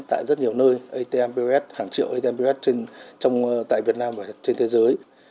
tại rất nhiều nơi hàng triệu atm pos tại việt nam và trên thế giới